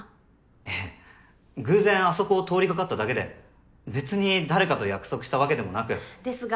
ええ偶然あそこを通りかかっただけで別に誰かと約束したわけでもなく。ですが。